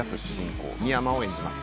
公未山を演じます。